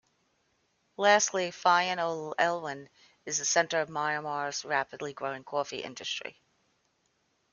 Lastly, Pyin Oo Lwin is the centre of Myanmar's rapidly growing coffee industry.